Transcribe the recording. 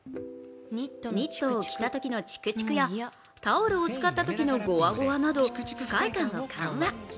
ニットを着たときのちくちくやタオルを使ったときのごわごわなど不快感を緩和。